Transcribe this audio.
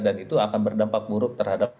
dan itu akan berdampak buruk terhadap